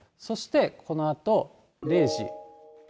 そしてこのあと０時。